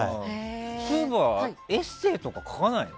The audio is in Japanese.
そういえばエッセーとか書かないの？